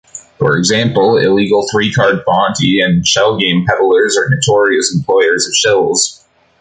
For example, illegal three-card monte and shell-game peddlers are notorious employers of shills.